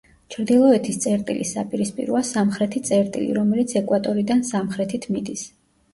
ჩრდილოეთის წერტილის საპირისპიროა სამხრეთი წერტილი, რომელიც ეკვატორიდან სამხრეთით მიდის.